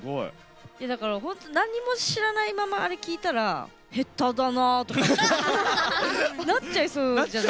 だから本当に何も知らないままあれ、聴いたら、下手だなってなっちゃいそうだよね。